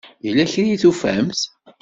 Yella kra i tufamt?